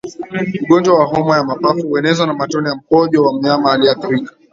Ugonjwa wa homa ya mapafu huenezwa na matone ya mkojo wa mnyama aliyeathirika